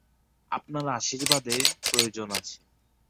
আপনার আশীর্বাদের প্রয়োজন আছে।